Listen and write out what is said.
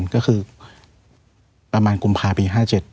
ก็คือประมาณกุมภาพี๕๗